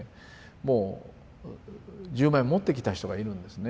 もう１０万円持ってきた人がいるんですね